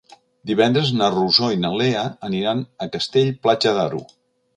Divendres na Rosó i na Lea aniran a Castell-Platja d'Aro.